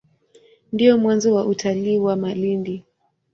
Ndio mwanzo wa utalii wa Malindi.